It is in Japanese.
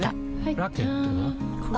ラケットは？